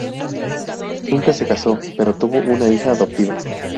Nunca se casó, pero tuvo una hija adoptiva.